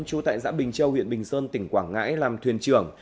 chú tại giã bình châu huyện bình sơn tỉnh quảng ngãi làm thuyền trưởng